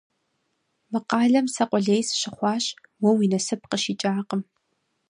Мы къалэм сэ къулей сыщыхъуащ, уэ уи насып къыщикӏакъым.